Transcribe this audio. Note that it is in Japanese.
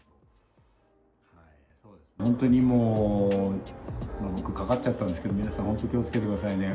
本当にもう、僕、かかっちゃったんですけど、皆さん、本当に気をつけてくださいね。